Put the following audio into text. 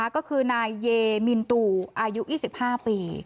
ก็คือนายเยมินตูอายุ๒๕ปี